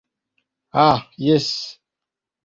Ha, jes.